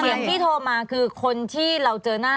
เสียงที่โทรมาคือคนที่เราเจอหน้า